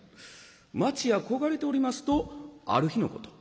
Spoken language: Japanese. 待ちや焦がれておりますとある日のこと。